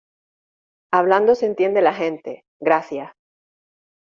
hablando se entiende la gente. gracias .